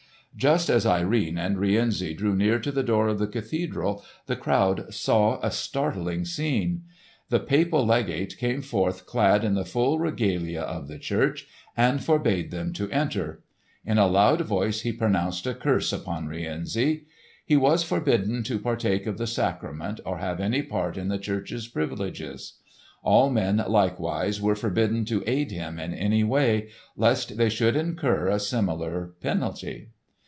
Just as Irene and Rienzi drew near to the door of the cathedral the crowd saw a startling scene. The Papal Legate came forth clad in the full regalia of the church and forbade them to enter. In a loud voice he pronounced a curse upon Rienzi. He was forbidden to partake of the sacrament or have any part in the church's privileges. All men, likewise, were forbidden to aid him in any way, lest they should incur a similar penalty.